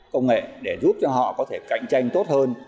công nghệ để giúp cho họ có thể cạnh tranh tốt hơn